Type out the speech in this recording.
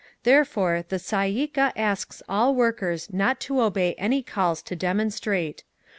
"THEREFORE THE Tsay ee kah ASKS ALL WORKERS NOT TO OBEY ANY CALLS TO DEMONSTRATE.